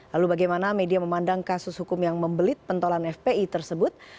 lalu bagaimana media memandang kasus hukum yang membelit pentolan fpi tersebut